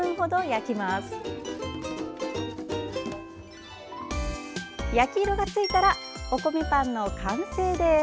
焼き色がついたらお米パンの完成です。